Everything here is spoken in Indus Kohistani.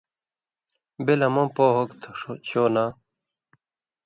بےۡ لمٶں پو ہوۡگ تھو شو ناں!